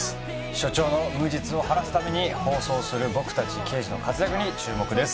署長の無実を晴らすために奔走する僕たち刑事の活躍に注目です。